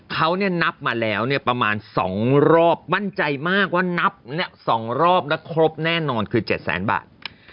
เขานับมาแล้วประมาณ๒รอบมั่นใจมากว่านับ๒รอบแล้วครบแน่นอนคือ๗๐๐๐๐๐บาท